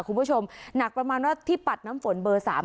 คุณผู้ชมหนักประมาณว่าที่ปัดน้ำฝนเบอร์สาม